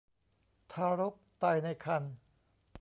ทารกตายในครรภ์